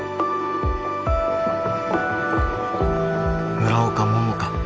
村岡桃佳。